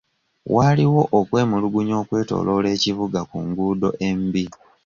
Waaliwo okwemulugunya okwetooloola ekibuga ku nguudo embi.